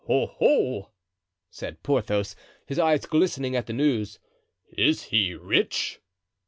"Oho!" said Porthos, his eyes glistening at the news. "Is he rich?"